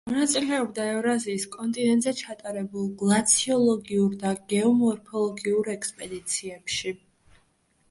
მონაწილეობდა ევრაზიის კონტინენტზე ჩატარებულ გლაციოლოგიურ და გეომორფოლოგიურ ექსპედიციებში.